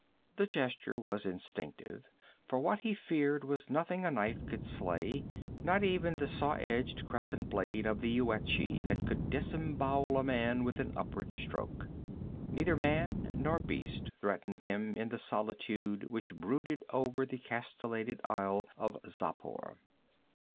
The gesture was instinctive, for what he feared was nothing a knife could slay, not even the saw edged crescent blade of the Yuetshi that could disembowel a man with an upward stroke. Neither man nor beast threatened him in the solitude which brooded over the castellated isle of Xapur.